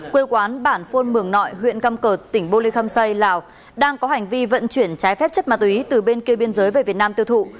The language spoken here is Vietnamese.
quê quán bản phôn mường nội huyện cam cợt tỉnh bô lê khâm xây lào đang có hành vi vận chuyển trái phép chất ma túy từ bên kia biên giới về việt nam tiêu thụ